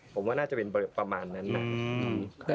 ผมว่าน่าจะเป็นประมาณนั้นนะ